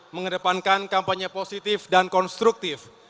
mengedepankan kampanye positif dan konstruktif